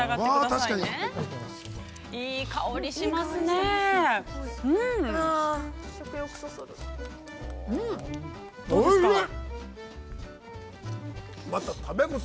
いい香りしますねえ。